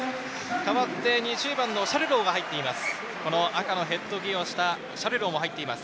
代わって２０番のシャリュローが入っています。